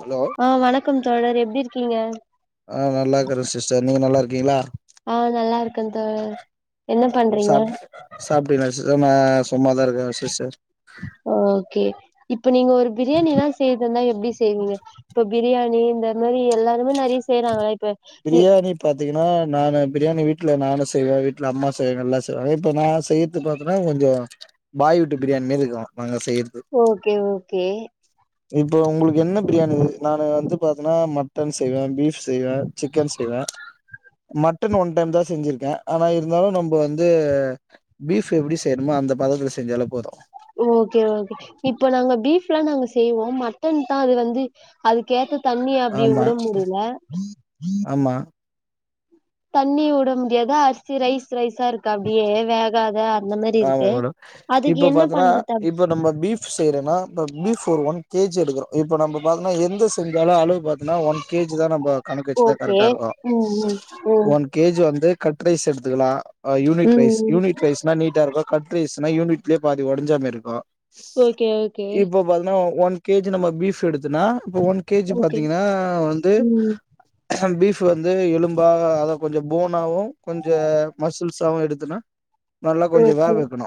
Hello ஆ வணக்கம் தோழர் எப்டி இருக்கீங்க நா நல்லா இருக்ற சிஸ்டர் நீங்க நல்லா இருக்கீங்ளா ஆ நல்லா இருக்கே தோழர் என்ன பண்றீங்க சாப்டிங்களா சிஸ்டர் நா சும்மாதா இருக்கற சிஸ்டர் ஓகே இப்ப நீங்க ஒரு பிரியாணில்லா செய்ரதுன்னா எப்டி செய்வீங்க இப்ப பிரியாணி இந்த மாரி எல்லாருமே நறைய செய்றாங்கல்ல இப்ப இ பிரியாணி பாத்தீங்கன்னா நானு பிரியாணி வீட்ல நானு செய்வ வீட்ல அம்மா செய் எல்லா செய் [unintelligible] இப்போ நா செய் உத்து பாத்தன்னா கொஞ்சோ பாய் வீட்டு பிரியாணி மாறி இருக்கு நாங்க செய்யறது ஓகே ஓகே இப்போ உங்ளுக்கு என்ன பிரியாணி நானு வந்து பாத்தன்னா மட்டன் செய்வே பீஃப் செய்வே சிக்கன் செய்வே மட்டன் ஒன் டைம் தா செஞ்சிருக்கே ஆனா இருந்தாலு நம்ப வந்து பீஃப் எப்டி செய்ணுமோ அந்த பதத்துல செஞ்சாலே போது ஓகே ஓகே இப்போ நாங்க பீஃப்ல்லா நாங்க செய்வோ மட்டன் தா அது வந்து அதுக்கேத்த தண்ணி அப்டி ஆமா விட முடில ஆமா தண்ணி உட முடியாதா அரிசி ரைஸ் ரைஸா இருக்கு அது அப்டியே வேகாத அந்த மாரி ஆமா இருக்கு மேடம் அதுக்கு இப்ப என்ன பாத்தன்னா பண்ற தா இப்ப நம்ம பீஃப் செய்யறோன்னா இப்ப பீஃப் ஒரு ஒன் கேஜி எடுக்குறோ இப்ப நம்ம பாத்தன்னா எந்த செஞ்சாலு அளவு பாத்தன்னா ஒன் கேஜி தா நம்ப கணக்கு வச்சிதா கா ஓகே ம் ம் ம் ஒன் கேஜி வந்து கட் ரைஸ் எடுத்துக்கலா யூனிட் ம் ரைஸ் ம் யூனிட் ரைஸ்னா நீட்டா இருக்கு கட் ரைஸ்னா யூனிட்லயே பாதி உடஞ்சாமேறி இருக்கு ஓகே ஓகே இப்ப பாத்தீன்னா ஒன் கேஜி நம்ம ஃபீப் எடுத்துனா இப்ப ஒன் கேஜி ஓகே பாத்தீங்கனா வந்து ம் ஃபீப் வந்து எலும்பா அத கொஞ்ச போனாவு கொஞ்ச துல்சாவு எடுத்துனா நல்லா கொஞ்சோ வேக் வைக்கணு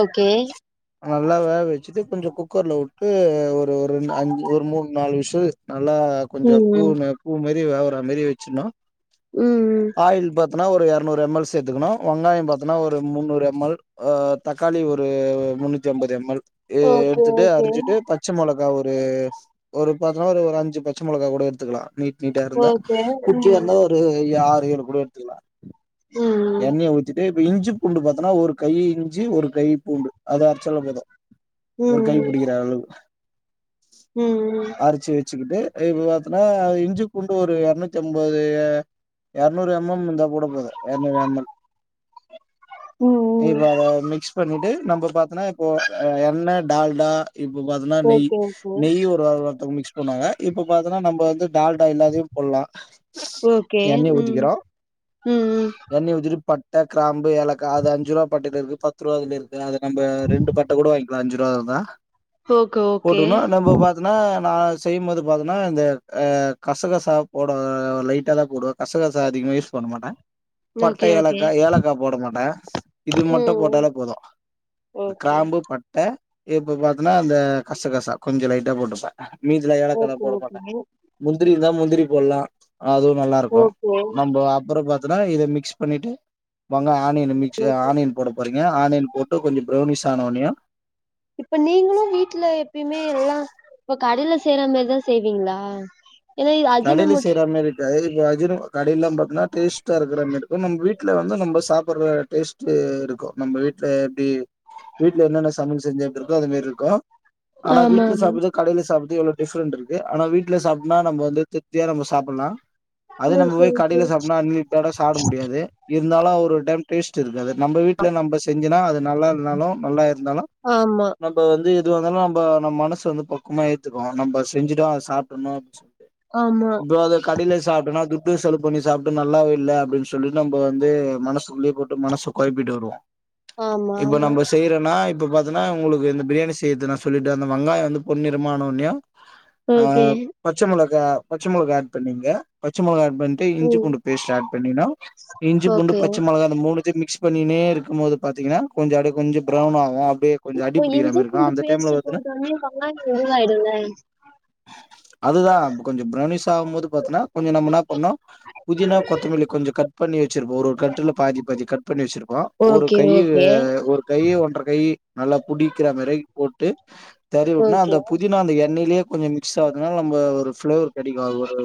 ஓகே ஓகே நல்லா வேக் வை சிக்கன் கொஞ்சோ குக்கர்ல உட்டு ஒரு ஒரு ந அஞ்சு ஒரு மூணு நாலு விஷில் நல்லா கொஞ்சோ பூ ம் ந பூ மரி வேவரா மரி வச்சுர்னு ம் ஆயிள் பாத்தனா ஒரு எர் நூறு எம் எல் சேத்துக்கணு வெங்காயோ பாத்தனா ஒரு முன்னூறு எம் எல் அ தக்காளி ஒரு முன்னூத்தி அம்பது எம் எல் எ ஓகே எடுத்துட்டு ஓகே அரிஞ்சிட்டு பச்ச மொளகா ஒரு ஒரு பாத்தன்னா ஒரு அஞ்சு பச்ச மொளகா கூட எடுத்துக்கலா நீ் நீட்டா இருந்தா ஓகே ம் குட்டியா இருந்தா ஒரு ஆரு ஏழு கூட எடுத்துக்கலா ம் எண்ணைய ஊத்திட்டு இப்ப இஞ்சி பூண்டு பாத்தனா ஒரு கை இஞ்சி ஒரு கை பூண்டு அது அரிச்சால போது ஒரு கை ம் புடிக்கிற அளவு ம் அரச்சி வச்சிக்கிட்டு இப்ப பாத்தனா இஞ்சு பூண்டு ஒரு எறநூத் த்தெம்பது எரநூறு எம் எம் ந்தா கூட போது எரநூறு எம் எல் ம் இப்போ அத மிக்ஸ் பண்ணிட்டு நம்ப பாத்தனா இப்போ எண்ண டால்டா இப்ப பாத்தனா நெய் ஓகே ஓகே நெய் ஒரு ஆர்வாத்த மிக்ஸ் போனாங்க இப்ப பாத்தனா நம்ப வந்து டால்டா இல்லாதியு போல்லா ஓகே ம் ம் ம் எண்ணெய உத்திட்டு பட் ட கிராம்பு ஏலக்கா அது அஞ்சு ரூவா பாட்டில இருக்கு பத்து ரூவாதுல இருக்கு அத நம்ப ரெண்டு பட்ட கூட வாய்ங் ல அஞ்சு ரூவாதா ஓகே ஓகே போட்டுகனு நம்ம பாத் த்தனா நா செய்யுபோது பாத்தனா இந்த அ கசகசா போட லைட்டா தா போடுவ கசகசா அதிகமா யூஸ் பண்ண மாட்ட பட்ட ஓகே ஓகே ஏலக்கா ஏலக்கா போட மாட்டே இது மட்டு ம் போட்டாலே போது இந்த ஓகே கிராம்பு பட்ட இப்ப பாத்தனா அந்த கசகசா கொஞ்ச லைட்டா போட்டிருப்பே மீதில ஏலக்காலா ஓகே போட மாட்டே ஓகே முந்திரி இருந்தா முந்திரி போட்லா அதுவு நல்லா இருக்கு ஓகே நம்ப அப்பற பாத்தனா இத மிக்ஸ் பண்ணிட்டு மாங்க ஆனியனு மிக் ச ஆனியன் போட போறீங்க ஆனியன் போட்டு கொஞ்ச பிரௌனிஸ் ஆன ஒனையு இப்ப நீங்களு வீட்ல எப்பியுமே எல்லா இப்ப கடைல செய்ற மாரிதா செய்வீங்ளா கடைல செய்ற மாரி இருக்காது இப்போ அஜினோ கடையில பாத்தீன்னா டேஸ்ட்டா இருக்கிற மாரி இருக்கு நம்ப வீட் ல வந்து நம்ப சாப்புற்ற டேஸ்ட்டு இருக்கு நம்ப வீட்ல எப்டி வீட்ல என்னென்ன சமையல் செஞ்சா எப்டி இருக்கோ அது மேரி இருக்கு ஆனா ஆமா வீட்ல ஆமா சாப்புறதோ கடைல சாப்புறது எவ்ளோ ஃடிப்ரெண்ட் இருக்கு ஆனா வீட்ல சாப்டனா நம்ப வந்து திருப்தியா நம்ப சாப்புல்லா அது ம் நம்ம போய் சேரி சேரி கடைல சாப்னா அன்லிமிட்டடா சாப்ட முடியாது இருந்தாலு ஒரு டைம் டேஸ்ட் இருக்காது நம்ப வீட்ல நம்ப செஞ்சனா அது நல்லா இல்னாலு நல்லா இருந்தாலு ஆமா, நல் இப்ப வந்து எதுவாந்தாலு நம்ப நம் மனச வந்து பக்குவமா ஏத்துக்கு நம்ப செஞ்சிட்டோ அத சாப்டுர்னு சொ ஆமா இப்போ அத கடைல சாப்ட்னா துட்டு செலவு பண்ணி சாப்ட்டு நல்லாவே இல்ல அப்டின் சொல்லி நம்ப வந்து மனசுக்குள்ளயே போட்டு மனச கொழப்பிட்டு வருவோ ஆமா, இப்ப ஆமா. நம்ப செய்றனா இப்ப பாத் இதுனா உங்களுக்கு இந்த பிரியாணி செய்யறது நா சொல்லிட்டே அந்த வெங்காய வந்து பொண்ணிறமான ஒன்யு ஆ ஓகே. பச்ச மொளகா பச்ச மொளகா ஆட் பண்ணீங்க பச்ச மொளகா ஆட் பண் டு இஞ்சி ம். பூண்டு பேஸ்ட் ஆட் பண்ணினு இஞ்சு பூண்டு ஓகே. பச்ச மொளகா அந்த மூனுத்தையு மிக்ஸ் பண்ணினே இருக்கு போது பாத்தீங்கனா கொஞ்ச அடே கொஞ்ச ப்ரவுன் ஆகு அப்டியே இப்போ இஞ்சு பூண்டு பேஸ்ட்டு போட்டோனே வெங்காயோ எருவாயிடுல்ல அதுதா கொஞ்ச பிரவ்னிஷ் ஆவு போது பாத்தனா கொஞ்ச நம்ம என்னா பண்ணு புதினா கொத்தமலி கொஞ்ச கட் பண்ணி வச்சிருப்போ ஒரு ஒரு கட்டுல பாதி பாதி கட் பண்ணி வச்சிருப்போ ஒரு ஓகே, கையு ஓகே, அ ஒரு கை ஒன்ற கை நல்லா புடிக்கிற மேரியே போட்டு தெரிவுட்னா அந்த ஓகே. புதினா அந்த எண்ணைலேயே கொஞ்ச மிக்ஸ் ஆகுதுனால நம்ப ஒரு ள ஒரு கடிக்கு ஒரு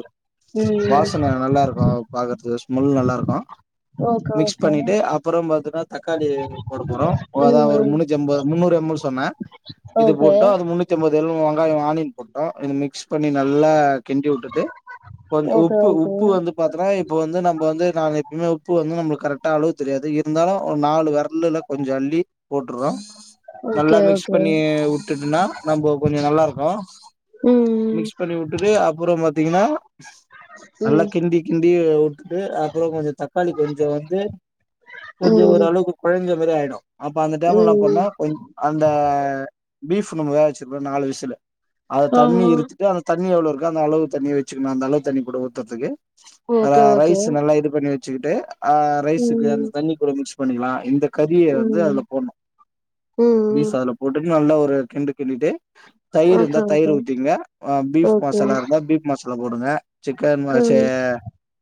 ம். வாசன நல்லா இருக்கு பாக்கறது ஸ்மெல் நல்லா இருக்கு ஓகே, மிக்ஸ் ஓகே. பண்ணிட்டு அப்புற பாத்தனா தக்காளிய போட போறோ அதா ஒரு ம். முன்னூத்தி அம்பது முன்னூறு எம்எல் சொன்ன இது ஓகே. போட்டா அது முன்னூ த்தி ஒம்பது ஏழு வெங்காய ஆனியன் போட்டோ இது மிக்ஸ் பண்ணி நல்லா கிண்டி உட்டுட்டு கொஞ் ஓகே, உப்பு ஓகே. உப்பு வந்து பாத்தனா இப்ப வந்து நம்ப வந்து நாம எப்பிமே உப்பு வந்து நம்புளுக் கரெக்டா அளவு தெரியாது இருந்தாலு ஒரு நாலு வெரல்லுல கொஞ்ச அள்ளி போட்டுறோ நல்லா ஓகே, மிக்ஸ் ஓகே. பண்ணி உட்டுட்டுன்னா நம்ம கொஞ்ச நல்லாருக்கு ம், மிக்ஸ் துடு அப்றோ பாத்தீங்கனா நல்லா ம், கிண்டி கிண்டி உட்டுட்டு அப்றோ கொஞ்ச தக்காளி கொஞ்ச வந்து கொஞ்ச ம், ஓரளவுக்கு கொழஞ்ச மாரி ஆயிடு அப்ப அந்த டைம்ல நா என்னா ம். பண்ணு கொஞ் அந்த ஃபீப் நம்ம வேவ்ச்சுருக்றோ நாலு விசுலு அத தண்ணி ஆமா. இருத்து இது அந்த தண்ணி எவ்ளோ இருக்கு அந்த அளவு தண்ணிய வச்சுக்கணு அந்த அளவு தண்ணி கூட ஊத்தற்துக்கு அது ஓகே, ஓகே. ரைஸ் நல்லா இது பண்ணி வெச்சுக்கிட்டு ஆ ரைஸுக்கு அந்த ம், தண்ணி கூட மிக்ஸ் பண்ணிக்கலா இந்த கறிய வந்து ம், அதுல போடுணு ஃபீஸ் ம். அதுல போட்டுட்டு நல்லா ஒரு கிண்டு கிண்டிட்டு தயிர் ஓகே, இருந்தா தயிர் ஓகே, ஊத்திக்ங்க ஆ ஃபீப் ஓகே. மசாலா இருந்தா ஃபீப் மசாலா போடுங்க சிக்கன் மசெ ம்,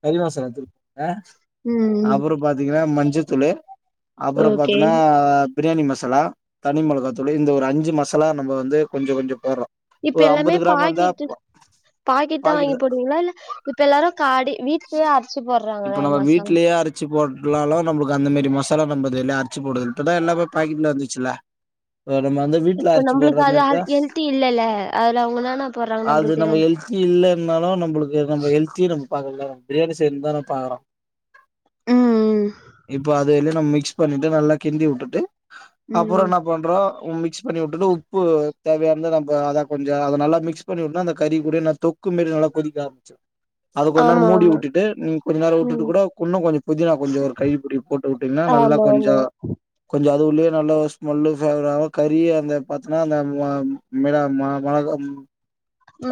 கரி மாசாலா தூள் ஆ ம் ம் பாத்தீங்ன்னா மஞ்சத்தூளு அப்றோ ஓகே. பாத்தன்னா பிரியாணி மசாலா தனி மொளகா தூளு இந்த ஒரு அஞ்சு மசாலா நம்ப வந்து கொஞ்சோ கொஞ்சோ போடுறோ இப்ப எல்லாமே பாக்கெட்டு பாக்கெட் தா வாங்கி போடு வீங்ளா இல் இப்ப எல்லாரு காடி வீட்லேயே அரச்சு போடுறாங்கள மசாலா ச்சு போட்லாலு நம்ளுக்கு அந்தமாரி மசாலா வம்பதுல்ல அரிச்சு போடுது இப்போதா எல்லாமே பாக்கெட்ல வந்துச்சுல இப்ப நம்ளுக்கு அது மாரி இருந்தா ஹல் ஹெல்தி இல்லல்ல அதுல அவ்ங்க எநானா போடுறாங்க நம்ளுக்கு தெரியாது இல்லனாலு நம்ளுக்கு வந்து ஹெல்தினு நம்ம பாக்னும்ல பிரியாணி செய்யனு தான பாக்றோ ம் இப்போ அது என்னன்னா மிக்ஸ் பண்ணிட்டு நல்லா கிண்டி வுட்டுட்டு அப்றோ ம் என்ன பண்றோ மிக்ஸ் பண்ணி வுட்டுட்டு உப்பு தேவையானந்து நம்ம அத கொஞ்சோ அத நல்ல மிக்ஸ் பண்ணி வுட்டு அந்த கறி கூட நா தொக் க்கு மாறி நல்ல கொதிக்கு அத கொஞ்ச நேரோ ஆமா மூடி டி ஆமா வுட்டுட்டு நீ கொஞ்சொ நேரோ வுட்டுட்டு ம் கூட உன்னு கொஞ்சோ புதினா கொஞ்ச ஒரு கை புடி போட்டு உட்டீங்ன்னா நல்லா ஆமா கொஞ்சோ ஆமா கொஞ்சு அது உள்ளயே நல்லா ஸ்மெல்லுவர ஆ கறி அந்த பாத்தன்னா அந்த மா மிள மா மொளகா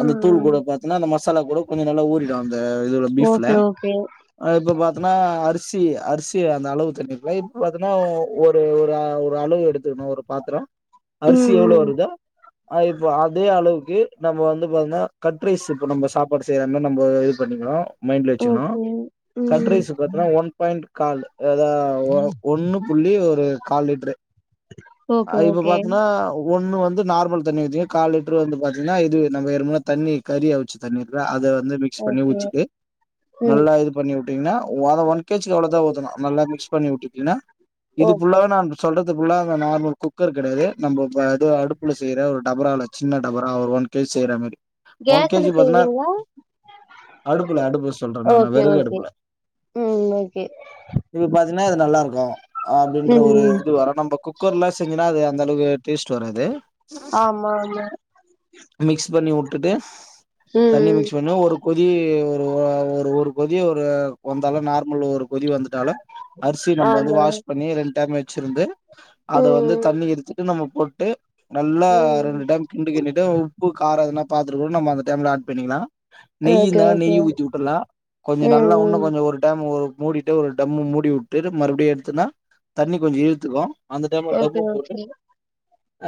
அந்த தூள் ம் கூட பாத்தினா அந்த மசாலா கூட கொஞ்சோ நல்லா ஊறிடு அந்த இதுல பீஃப்ல ஓகே ஓகே அ இப்ப பாத்தனா அரிசி அரிசி அந்த அளவு தண்ணிக்லா இப்ப பாத்தனா ஒரு ஒரு ஒரு அளவு எடுத்துக்ணு ஒரு பாத்ரோ அரிசி ம் எவ்ளோ ம் வருதோ அ இப்போ அதே அளவுக்கு நம்ம வந்து இப்போ என்னா கட் ரைஸ் இப்போ நம்ம சாப்பாடு செய்ற மாரி நம்ம இது பண்ணிக்கணு மைண்ட்ல வெச்சிக்கணு ஓகே கட் ம் ரைஸ் பாத்தன்னா ஒன் பாயிண்ட் கால் அதா ஒன்னு புள்ளி ஒரு கால் லிட்ரு அ ஓகே இப்ப ஓகே பாத்ன்னா ஒண்ணு வந்து நார்மல் தண்ணி வுத்தி கால் லிட்டரு வந்து பாத்தீங்ன்னா இது நம்ம எரும தண்ணி கறி அவிசு தண்ணிருக்லா அத வந்து மிக்ஸ் பண்ணி ஓகே உச்சிட்டு ம் நல்லா இது பண்ணி உட்டீங்ன்னா ஓத ஒன்கேஜிக்கு அவ்ளோதா உதணு நல்லா மிக்ஸ் பண்ணி உட்டுட்டீங்ன்னா இது ஓகே புள்ளாவே நான் சொல்றதுக்குள்ள அத நார்மல் குக்கர் கிடயாது நம்ம து இது அடுப்புல செய்ற ஒரு டபரால சின்ன டபரா ஒரு ஒன் கே செய்யறமாரி கேஸ்ல செய்வீங்ளா அடுப்புல அடுப்பு சொல்ற நா நா வெறகு ஓகே அடுப்புல ம் ஓகே இப்ப பாத்தின்னா இது நல்லாருக்கு அப்டின்ற ஒரு ம் இது வர நம்ப குக்கர்ல செஞ்சுன்னா அது அந்தளவுக்கு டேஸ்ட்டு வராது ஆமா ம மிக்ஸ் பண்ணி உட்டுட்டு தண்ணி ம் மிக்ஸ் பண்ணு ஒரு கொதி ஒரு வ ஒரு கொதிய ஒரு வந்தாலு நார்மல் ஒரு கொதி வந்துட்டால்லு அரிசிய நம்ப வந்து ஆமா வாஷ் பண்ணி ரெண் டேம் வெச்சிருந்து அத வந்து ம், தண்ணி எர்த்துட்டு நம்ம போட்டு நல்லா ம். ரெண்டு டைம் கிண்டு கிண்டிட்டு து கார எதனா பாத்துட்டு கூட நம்ம அந்த டைம்ல ஆட் பண்ணிக்லா நெய் ஓகே, இருந்தா ஓகே. நெய் ஊத்தி உட்டுர்லா கொஞ்ச நல்லா உன்ன ம். கொஞ்ச ஒரு டைம் ஒ மூடிட்டு ஒரு டம்மு மூடி உட்டு நம் மறுப்டி எடுத்துன்னா தண்ணி கொஞ்ச இழுத்துக்கு அந்த டைம்ல ஓகே, டம்மு போட்டு ஓகே.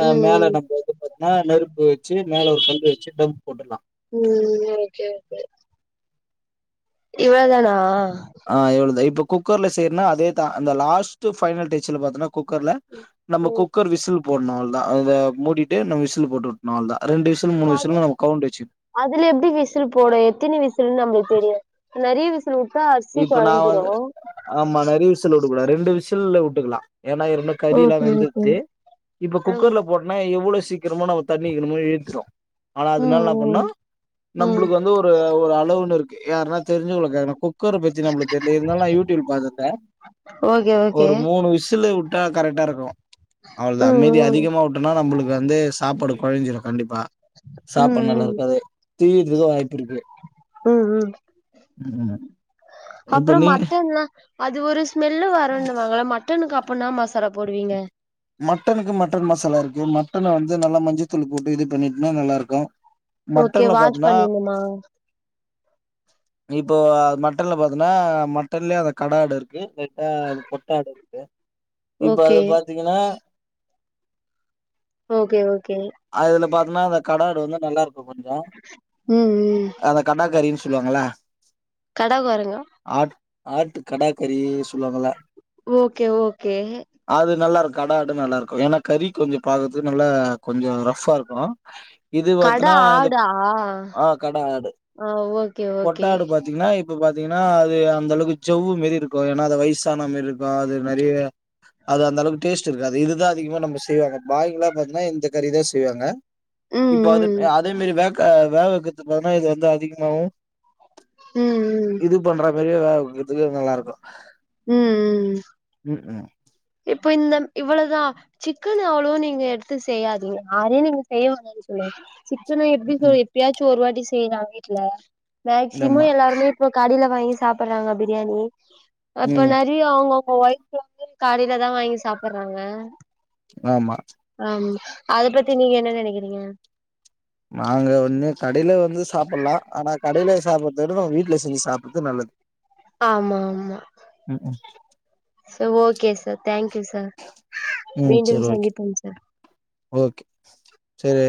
அ மேல ம், நம்ம எத பாத்தீன்னா நெருப்பு வெச்சு மேல ஒரு கல் வச்சு தம் போட்டுர்லா ம் ஓகே ஓகே இவள தானா அ எவ்ளதா இப்ப குக்கர்ல சேய்றனா அதேதா அந்த லாஸ்ட்டு பைஃனல் டெச்சில பாத்தன்னா குக்கர்ல ம். நம்ம ம். குக்கர் விசில் போட்னு அவுள்தா அத மூடிட்டு நம்ம விசில் போட்டு உட்னு அவுள்தா ரெண்டு விஸ் துனு இப்ப மூணு அது விசில்னு நம்ம கவுண்ட் வெச்சிக் அதுல எப்டி விசில் போட எத்தினி விசில்ன் நம்புளுக் தெரிய நறிய விஸ் சுலு உட்டா அர்சி கொழஞ்சிரு சுல் உட கூடா ரெண்டு விசில்ல உட்டுக்குலா ஏன்னா இத் ரெண்டு ஓகே, கறிலா ஓகே. வெந்துருச்சி இப்ப குக்கர்ல ம், போட் ன எவுளோ சீக்கிரமோ நம்ம தண்ணீக்கினுமோ ஈழ்ந்துரு ஆனா ம், அதனால்ன்னா பண்ணா ம், நம்புளுக்கு ம். வந்து ஒரு ஒரு அளவுன் இருக்கு யாருன்னா தெரிஞ்சவுங்ல கேக்கணு குக்கர பத்தி நம்ப்ளுக் தெர்ல இருந்தாலு நா யூட்யூப்ல பாத்துற்த்த ஓகே ஒ ஒரு மூணு விசிலு உட்டா கரெக்டா இருக்கு ம், அவுள்தா மீதி ம். அதிகமா மா உட்டனா நம்புளுக்கு வந்து சாப்பாடு கொழஞ்சிரு கண்டிப்பா ம், சாப்பாட் ம். நல்லார்க்காது தியிர்த்துக்கு வாய்ப்பு இருக்கு ம் ம் ம் ம் இப்ப அப்புற நீ மட்டன்லா அது ஒரு ஸ்மெல்லு வருன்னுவாங்கள மட்டனுக்கு அப்பன்னா மசாரா போடுவீங்க மட்டனுக்கு மட்டன் மசாலா இருக்கு மட்டன வந்து நல்லா மஞ்சத்தூள் போட்டு இது பண்ணிட்ன்னா நல்லாருக்கு ஓகே வாச் பண்ணிற்னுமா இப்போ மட்டன்ல பாத்தனா மட்டன்லே அத கடா ஆடு இருக்கு லைட்டா அது கொட்டாடு இப்ப ஓகே அத பாத்தீங்கனா ஓகே ஓகே அதுல பாத்ன்னா அந்த கடா ஆடு வந்து நல்லாருக்கு கொஞ்சோ ம் ம் அத கண்ணாகரின் சொல்வாங்கள கட கொரங்கா ஆட் ஆட்டு கடாக்கறி சொல்வாங்கள்ள ஓகே ஓகே அது நல்லாருக் கடா ஆடு நல்லாருக்கு ஏன்னா கறி கொஞ்ச பாக்குற்துக் நல்ல கொஞ்சோ ரஃபா இருக்கு இது கட வாத்தனா இது ஆடா ஆ கடா ஆடு ஆ ஓகே பொட்ட ஓகே ஆடு பாத் திங்னா இப்ப பாத்தீங்கனா அது அந்தளவுக்கு சவ்வு மாரி இருக்கு ஏனா அத வயசான மாரி இருக்கு அது மாரி அது அந்தளவுக்கு டேஸ்ட் இருக்காது இதுதா அதிகமா நம்ம செய்வாங்க பாய்ங்லா பாத்தனா இந்த கறிதா செய்வாங்க ம் இப்ப ம் அது ம் யாத் அதே மாரி வேக் அ வேக வக்கிறதுக்கு பாத்தனா இது வந்து அதிகமாவு ம் ம் இது பண்ற மாரியே வேக வக்கிறதுக்கு இது நல்லாருக்கு உம் ம் ம் இப்பொ இந்தம் இவ்வளொதா சிக்கன் அவ்வளொவா நீங்க எடுத்து செய்யாதீங்க யாரையு நீங்க செய்ய [unintelligible] ம் சொல்லு சிக்கன எப்டி ம் சொல்லி எப்பயாச்சி ஒரு வாட்டி செய்லா வீட்லே மேக்சிமோ ஆமா எல்லாருமே போ கடைல வாங்கி சாப்பட்றாங்க பிரியாணி அப்ப ம் நெறைய அவங்கவங்க வயத்ல வந்து காரி யாதா வாங்கி சாப்புட்றாங்க நோமா ஆம் அத பத்தி நீங்க என்ன நெனைக்கிறீங்க நாங்க ஒன்னு கடையில வந்து சாப்புட்லா ஆனா கடைல சாப்புறத விடவு வீட்ல செஞ்சி சாப்புட்றது நல்லது ஆமா ஆமா ம் ம் சா ஓகே சார் தேங்க்யூ சார் ம் மீண்டும் சரி ஓகே சந்திப்போம் சார் ஓகே செரி